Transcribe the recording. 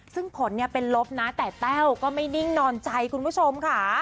ซึ่งผลเนี่ยเป็นลบนะแต่แต้วก็ไม่นิ่งนอนใจคุณผู้ชมค่ะ